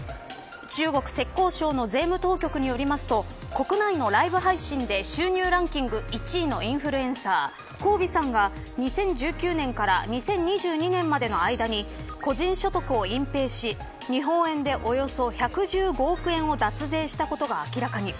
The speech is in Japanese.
中国浙江省の税務当局によりますと国内のライブ配信で収入ランキング１位のインフルエンサー、コウビさんが２０１９年から２０２０年までの間に個人所得を隠ぺいし日本円でおよそ１１５億円を脱税した事が明らかに。